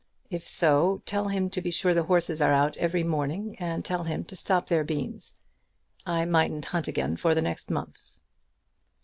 If so, tell him to be sure the horses are out every morning; and tell him to stop their beans. I mightn't hunt again for the next month."